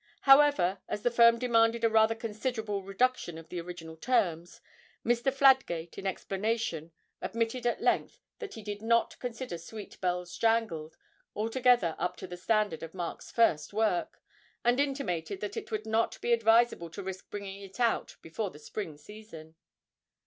However, as the firm demanded a rather considerable reduction of the original terms, Mr. Fladgate, in explanation, admitted at length that he did not consider 'Sweet Bells Jangled' altogether up to the standard of Mark's first work, and intimated that it would not be advisable to risk bringing it out before the spring season.